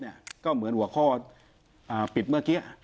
ก็เหมือนหัวข้อปิดเมื่อกี้